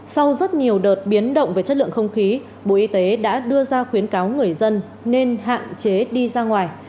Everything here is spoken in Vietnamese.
sau rất nhiều đợt biến động về chất lượng không khí bộ y tế đã đưa ra khuyến cáo người dân nên hạn chế đi ra ngoài